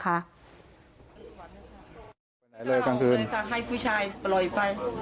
ทุ่มหัวคมต่ำไหนเลยละก็เลยค่ะให้ผู้ชายปล่อยไป